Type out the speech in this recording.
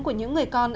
của những người con